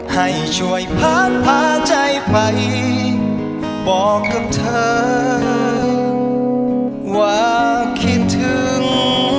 ให้ช่วยพาใจไปบอกกับเธอว่าคิดถึง